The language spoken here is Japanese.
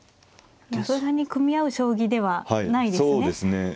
そんなに組み合う将棋ではないですね。